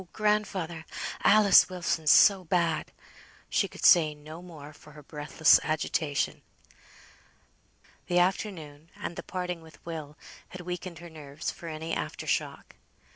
grandfather! Alice Wilson's so bad!" She could say no more, for her breathless agitation. The afternoon, and the parting with Will, had weakened her nerves for any after shock.